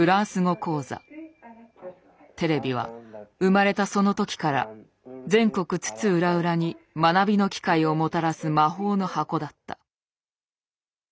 テレビは生まれたその時から全国津々浦々に学びの機会をもたらす魔法の箱だった。